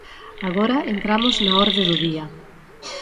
Agora entramos na orde do día.